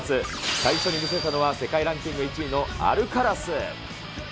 最初に見せたのは、世界ランキング１位のアルカラス。